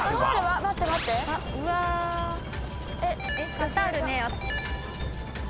カタールね。